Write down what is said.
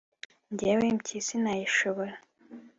jyewe impyisi nayishobora?